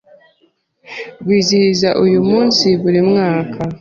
rwizihiza uyu munsi buri mwaka